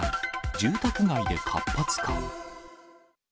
住宅街で活発化。